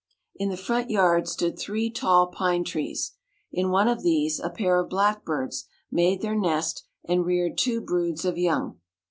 In the front yard stood three tall pine trees. In one of these a pair of black birds made their nest and reared two broods of young.